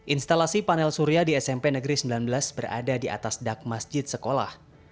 instalasi panel surya di smp negeri sembilan belas berada di atas dak masjid sekolah